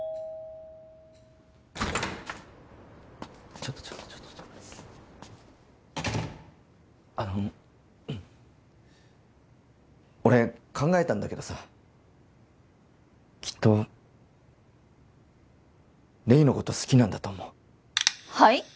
ちょっとちょっとちょっとあの俺考えたんだけどさきっと黎のこと好きなんだと思うはい？